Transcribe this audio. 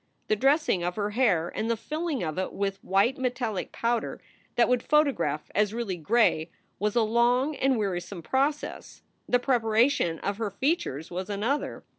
The dressing of her hair and the filling of it with white metallic powder that would photograph as really gray was a long and wearisome process. The preparation of her features was another.